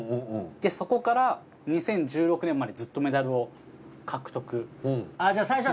そこから２０１６年までずっとメダルを獲得。